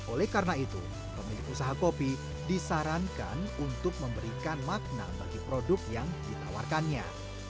oleh karena itu pemilik usaha kopi disarankan untuk memberikan makna bagi produk yang ditawarkannya